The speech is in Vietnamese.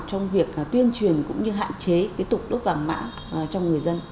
trong việc tuyên truyền cũng như hạn chế cái tục đốt vàng mã trong người dân